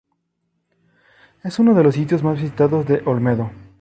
Es uno de los sitios más visitados de Olmedo.